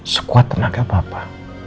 sekuat tenaga papa